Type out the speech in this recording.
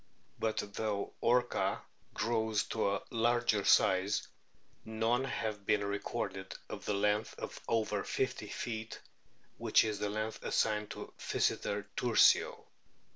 But though Orca* grows to a large size, none have been recorded of the length of over 50 feet, which is the length assigned to Pkyseter tursio.